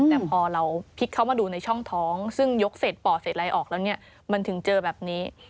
แต่พอเราพลิกเข้ามาดูในช่องท้องซึ่งยกเศษปอดเสร็จอะไรออกแล้วเนี่ยมันถึงเจอแบบนี้